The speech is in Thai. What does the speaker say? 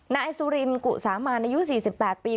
นายสุรินกุสามานอายุ๔๘ปี